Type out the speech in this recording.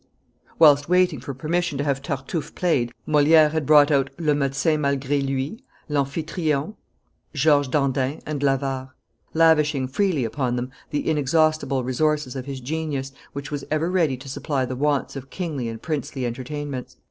Whilst waiting for permission to have Tartufe played, Moliere had brought out le Medecin malgre lui, Amphitryon, Georges Dandin, and l'Avare, lavishing freely upon them the inexhaustible resources of his genius, which was ever ready to supply the wants of kingly and princely entertainments.